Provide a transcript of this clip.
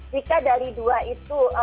jika dari dua itu